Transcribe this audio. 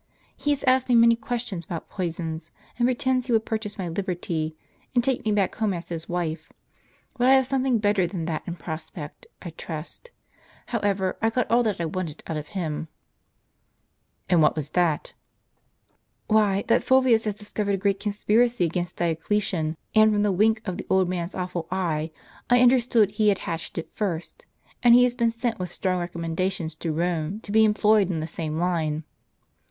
He has asked me many questions about poisons, and pretended he would purchase my liberty, and take me back home as his wife ; but I have some thing better than that in prospect, I trust. However, I got all that I wanted out from him." " And what was that? " "Why, that Fulvius had discovered a great conspiracy against Dioclesian ; and from the wink of the old man's awful eye, I understood he had hatched it first ; and he has been sent with strong recommendations to Rome to be employed in the same line."